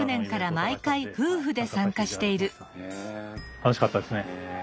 楽しかったですね。